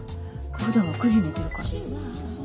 ふだんは９時に寝てるから。